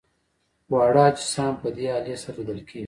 واړه اجسام په دې الې سره لیدل کیږي.